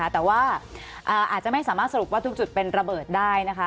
แต่ว่าอาจจะไม่สามารถสรุปว่าทุกจุดเป็นระเบิดได้นะคะ